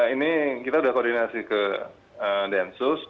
ini kita sudah koordinasi ke densus